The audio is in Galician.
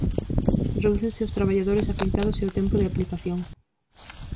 Redúcense os traballadores afectados e o tempo de aplicación.